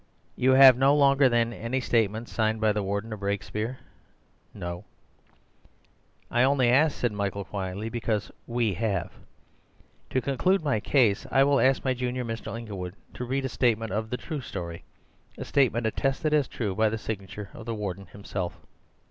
"You have no longer, then, any statement signed by the Warden of Brakespeare." "No." "I only ask," said Michael quietly, "because we have. To conclude my case I will ask my junior, Mr. Inglewood, to read a statement of the true story—a statement attested as true by the signature of the Warden himself."